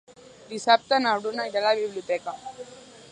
Dissabte na Bruna irà a la biblioteca.